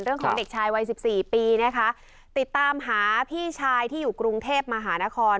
เรื่องของเด็กชายวัยสิบสี่ปีนะคะติดตามหาพี่ชายที่อยู่กรุงเทพมหานคร